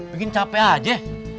baik baik capek aja